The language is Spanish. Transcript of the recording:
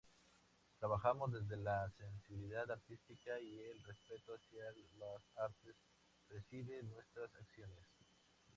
Trabajamos desde la sensibilidad artística, y el respeto hacia las arte preside nuestras acciones.